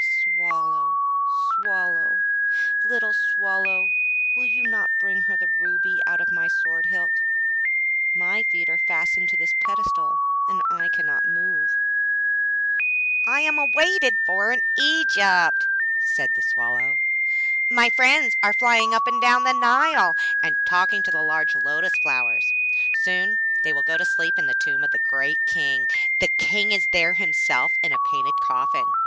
Swallow, Swallow, little Swallow, will you not bring her the ruby out of my sword hilt? My feet are fastened to this pedestal and I cannot move.' < 4 > 'I am waited for in Egypt,' said the Swallow. 'My friends are flying up and down the Nile, and talking to the large lotus flowers. Soon they will go to sleep in the tomb of the great King. The King is there himself in his painted coffin.